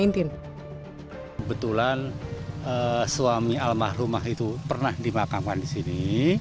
kebetulan suami almah rumah itu pernah dimakamkan di sini